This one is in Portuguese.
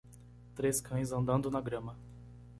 Três cães andando na grama.